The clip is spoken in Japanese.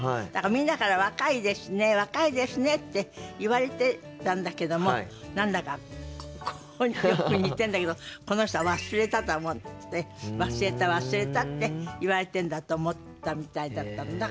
みんなから「若いですね若いですね」って言われてたんだけども何だかよく似てるんだけどこの人は「忘れた」と思って「忘れた忘れた」って言われてるんだと思ったみたいだったの。